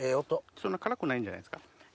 そんな辛くないんじゃないですか？